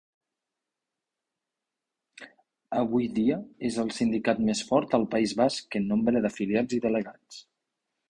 Avui dia, és el sindicat més fort al País Basc en nombre d'afiliats i delegats.